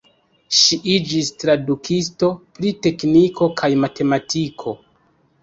Ŝi iĝis tradukisto pri tekniko kaj matematiko.